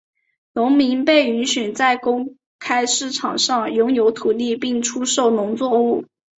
农民被允许在公开市场上拥有土地并出售农作物。